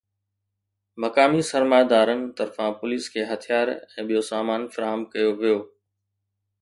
مقامي سرمائيدارن طرفان پوليس کي هٿيار ۽ ٻيو سامان فراهم ڪيو ويو